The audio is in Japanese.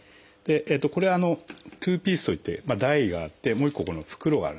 これツーピースといって台があってもう一個この袋があるんですね。